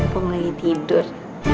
pembangun lagi tidur